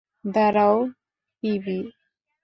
দাঁড়াও, পিবি।